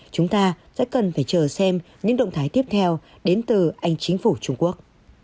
chúng ta sẽ cần phải chờ xem những động thái tiếp theo đến từ anh chính phủ trung quốc